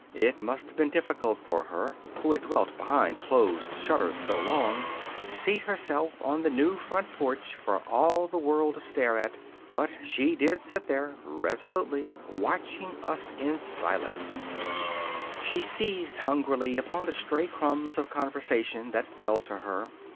It must have been difficult for her, who had dwelt behind closed shutters so long, to seat herself on the new front porch for all the world to stare at; but she did sit there resolutely watching us in silence. She seized hungrily upon the stray crumbs of conversation that fell to her.